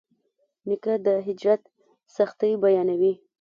نیکه د هجرت سختۍ بیانوي.